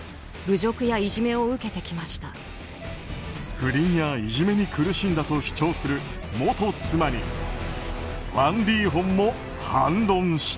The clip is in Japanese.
不倫やいじめに苦しんだと主張する元妻にワン・リーホンも反論した。